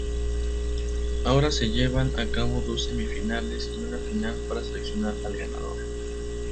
Ahora se llevan a cabo dos semifinales y una final para seleccionar al ganador.